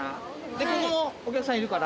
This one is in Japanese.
でここもお客さんいるから。